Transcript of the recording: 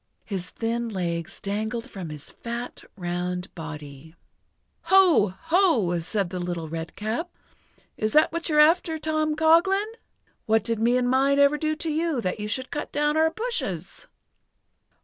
His thin legs dangled from his fat, round body. "Ho! Ho!" said the Little Redcap, "is that what you're after, Tom Coghlan? What did me and mine ever do to you that you should cut down our bushes?"